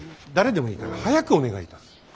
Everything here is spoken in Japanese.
誰でもいいから早くお願いいたす。